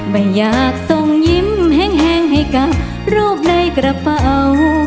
ไม่อยากส่งยิ้มแห้งให้กับรูปในกระเป๋า